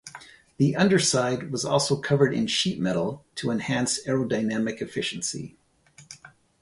The underside was also covered in sheet metal to enhance aerodynamic efficiency.